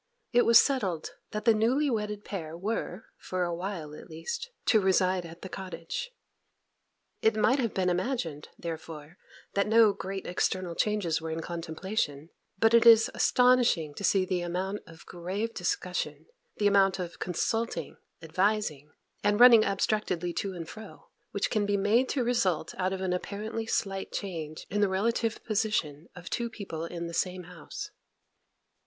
It was settled that the newly wedded pair were, for a while at least, to reside at the cottage. It might have been imagined, therefore, that no great external changes were in contemplation; but it is astonishing to see the amount of grave discussion, the amount of consulting, advising, and running abstractedly to and fro, which can be made to result out of an apparently slight change in the relative position of two people in the same house.